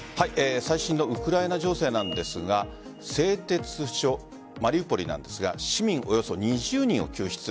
最新のウクライナ情勢なんですが製鉄所、マリウポリなんですが市民およそ２０人を救出。